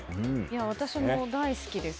私も大好きです。